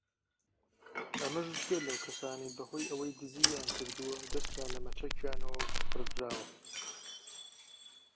ئەمەش جگە لەو کەسانەی بەهۆی ئەوەی دزییان کردووە دەستیان لە مەچەکیانەوە بڕدراوە